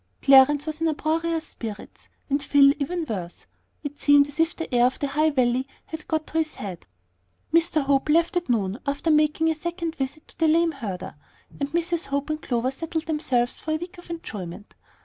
Clarence was in uproarious spirits, and Phil even worse. It seemed as if the air of the High Valley had got into his head. Dr. Hope left at noon, after making a second visit to the lame herder, and Mrs. Hope and Clover settled themselves for a week of enjoyment.